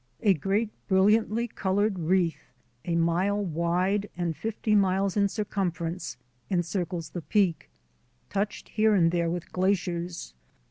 A great, brilliantly coloured wreath a mile wide and fifty miles in circumference en circles the peak, touched here and there with glaciers.